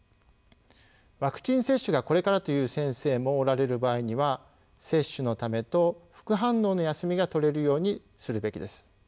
ワクチン接種がこれからという先生もおられる場合には接種のためと副反応の休みがとれるようにするべきです。